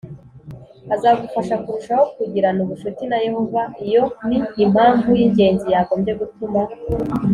azagufasha kurushaho kugirana ubucuti na Yehova Iyo ni impamvu y ingenzi yagombye gutuma